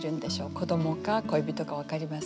子どもか恋人か分かりません。